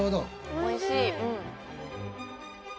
おいしい。